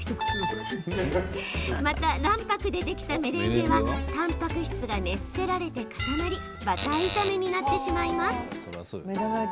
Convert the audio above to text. また、卵白でできたメレンゲはたんぱく質が熱せられて固まりバター炒めになってしまいます。